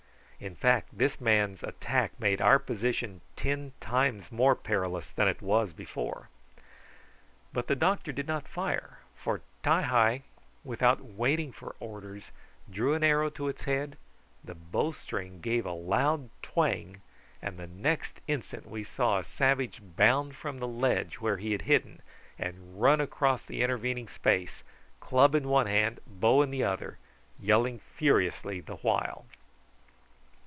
In fact this man's attack made our position ten times more perilous than it was before. But the doctor did not fire, for Ti hi, without waiting for orders, drew an arrow to its head, the bow string gave a loud twang, and the next instant we saw a savage bound from the ledge where he had hidden and run across the intervening space, club in one hand, bow in the other, yelling furiously the while.